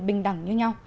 bình đẳng như nhau